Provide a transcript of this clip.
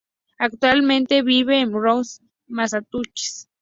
Actualmente vive en Brookline, Massachusetts.